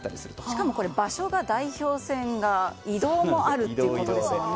しかも場所が代表戦が移動もあるということですもんね。